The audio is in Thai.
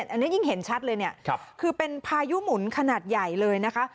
อันนี้ยิ่งเห็นชัดเลยเนี่ยคือเป็นพายุหมุนขนาดใหญ่เลยนะคะ